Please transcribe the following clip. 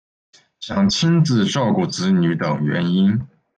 想亲自照顾子女等原因